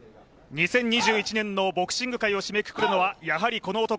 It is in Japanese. ２０２１年のボクシング界を締めくくるのは、やはりこの男。